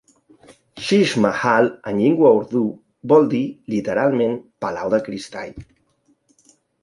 "Sheesh Mahal", en llengua urdú, vol dir literalment "Palau de Cristall".